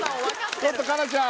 ちょっと佳奈ちゃん